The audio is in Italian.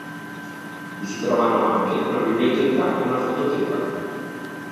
Vi si trovano anche una biblioteca e una fototeca.